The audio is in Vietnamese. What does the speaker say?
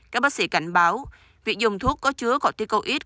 các bác sĩ cảnh báo việc dùng thuốc có chứa corticoid